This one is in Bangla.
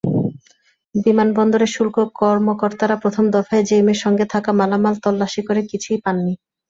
বিমানবন্দরের শুল্ক কর্মকর্তারা প্রথম দফায় জেইমের সঙ্গে থাকা মালামাল তল্লাশি করে কিছুই পাননি।